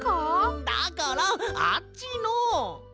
んだからあっちの。